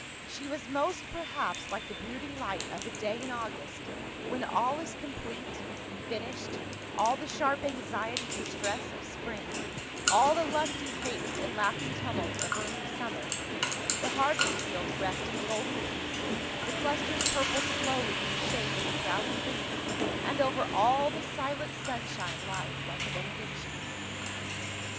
She was most, perhaps, like the brooding light of a day in August, when all is complete, finished, all the sharp anxiety and stress of spring, all the lusty haste and laughing tumult of early summer ; the harvest fields rest in golden peace, the clusters purple slowly in the shade of the drowsy leaves, and over all the silent sunshine lies like a benediction.